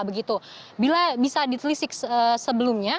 bila bisa ditelisik sebelumnya